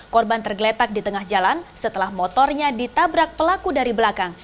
korban tergeletak di tengah jalan setelah motornya ditabrak pelaku dari belakang